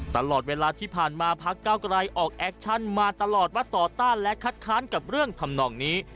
ตลอดเวลาที่ผ่านมาพักเก้าไกรออกแอคชั่นมาตลอดว่าต่อต้านและคัดค้านกับเรื่องทำนองนี้